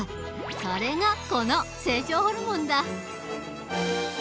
それがこの成長ホルモンだ。